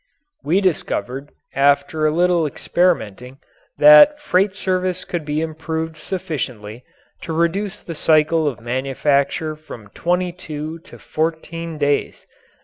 We discovered, after a little experimenting, that freight service could be improved sufficiently to reduce the cycle of manufacture from twenty two to fourteen days.